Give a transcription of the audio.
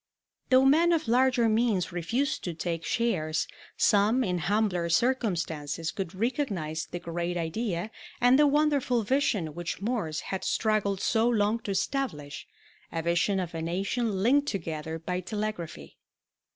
Though men of larger means refused to take shares, some in humbler circumstances could recognize the great idea and the wonderful vision which Morse had struggled so long to establish a vision of a nation linked together by telegraphy.